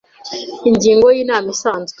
Ingingo ya Inama isanzwe